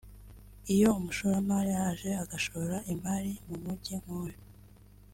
Iyo umushoramari aje agashora imari mu mujyi nk’uyu